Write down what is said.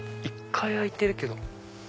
１階開いてるけど。